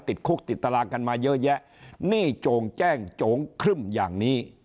ติดคุกติดตารางกันมาเยอะแยะหนี้โจ่งแจ้งโจงครึ่มอย่างนี้